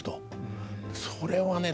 「それはね